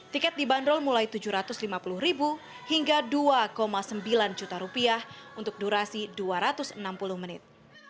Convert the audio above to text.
tiket dibanderol mulai tujuh ratus lima puluh hingga rp dua sembilan juta rupiah untuk durasi dua ratus enam puluh menit